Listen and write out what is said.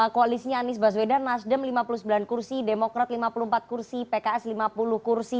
koalisinya anies baswedan nasdem lima puluh sembilan kursi demokrat lima puluh empat kursi pks lima puluh kursi